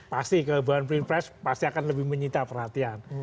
pasti kehebohan pilpres pasti akan lebih menyita perhatian